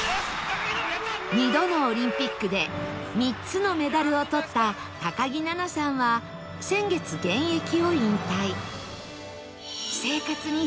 ２度のオリンピックで３つのメダルをとった木菜那さんは先月現役を引退